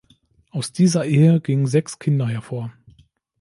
Aus dieser Ehe gingen sechs Kinder hervor.